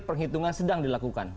penghitungan sedang dilakukan